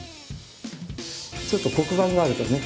ちょっと黒板があるとね。